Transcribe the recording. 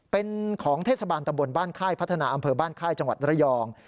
เป็นของเทศบาลตำบลบ้านค่ายพัฒนาอำเภอบ้านค่ายจังหวัดระยอง